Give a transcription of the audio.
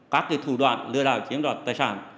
các thủ đoạn lừa đảo chiếm đoạt tài sản